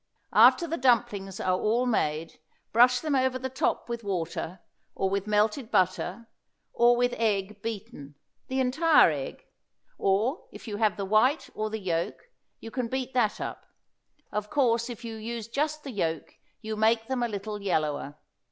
After the dumplings are all made, brush them over the top with water, or with melted butter, or with egg, beaten; the entire egg, or if you have the white or the yolk, you can beat that up; of course if you use just the yolk you make them a little yellower.